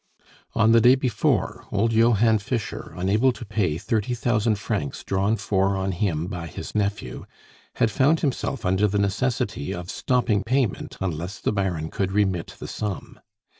On the day before, old Johann Fischer, unable to pay thirty thousand francs drawn for on him by his nephew, had found himself under the necessity of stopping payment unless the Baron could remit the sum.